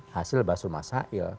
hasil bahasa rumah syahil